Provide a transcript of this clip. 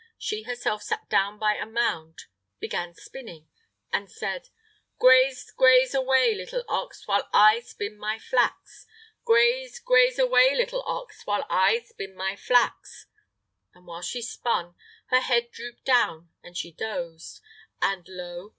She herself sat down by a mound, began spinning, and said: "Graze, graze away, little ox, while I spin my flax! Graze, graze away, little ox, while I spin my flax!" And while she spun, her head drooped down, and she dozed. And, lo!